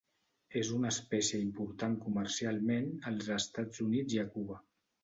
És una espècie important comercialment als Estats Units i a Cuba.